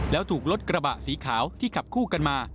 แล้วถูกรถกระบะสีขาวที่ขับคู่กันมา